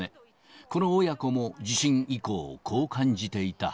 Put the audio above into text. この親子も地震以降、こう感じていた。